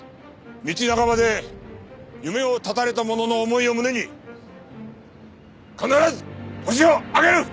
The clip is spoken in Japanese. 道半ばで夢を絶たれた者の思いを胸に必ずホシを挙げる！